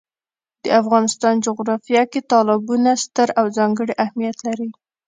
د افغانستان جغرافیه کې تالابونه ستر او ځانګړی اهمیت لري.